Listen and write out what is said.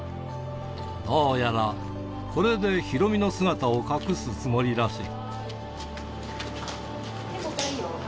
どうやら、これでヒロミの姿を隠すつもりらしい。